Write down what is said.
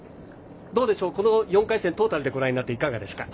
どうでしょう、この４回戦トータルでご覧になっていかがですか？